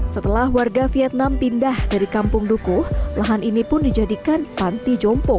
setelah warga vietnam pindah dari kampung dukuh lahan ini pun dijadikan panti jompo